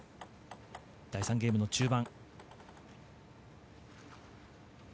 第３ゲームの中盤。